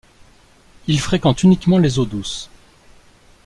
Ils fréquentent uniquement les eaux douces.